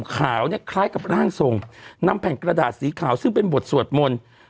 ขาวเนี่ยคล้ายกับร่างทรงนำแผ่นกระดาษสีขาวซึ่งเป็นบทสวดมนต์